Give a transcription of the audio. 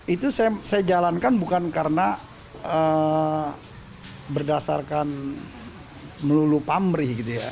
itu saya jalankan bukan karena berdasarkan melulu pamri